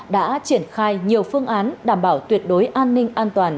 đã triển khai nhiều phương án đảm bảo tuyệt đối an ninh an toàn